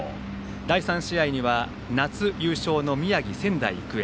第３試合では夏優勝の宮城・仙台育英。